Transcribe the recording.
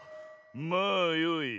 まあよい。